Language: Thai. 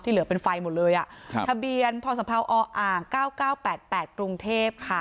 เหลือเป็นไฟหมดเลยอ่ะครับทะเบียนพศออ่าง๙๙๘๘กรุงเทพค่ะ